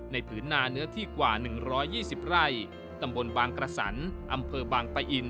ผืนนาเนื้อที่กว่า๑๒๐ไร่ตำบลบางกระสันอำเภอบางปะอิน